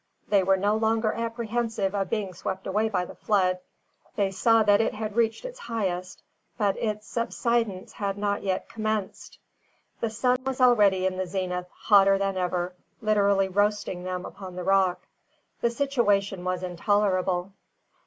They were no longer apprehensive of being swept away by the flood. They saw that it had reached its highest, but its subsidence had not yet commenced. The sun was already in the zenith, hotter than ever, literally roasting them upon the rock. The situation was intolerable.